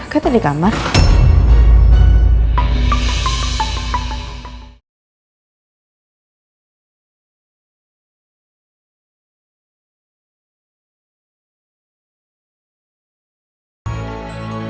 kayaknya ada orang di sini